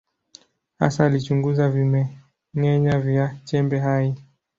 Hasa alichunguza vimeng’enya vya chembe hai.